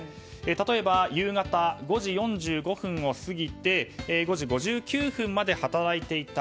例えば、夕方５時４５分を過ぎて５時５９分まで働いていた。